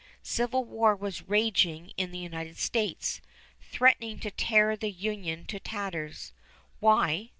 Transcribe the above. Civil war was raging in the United States, threatening to tear the Union to tatters. Why?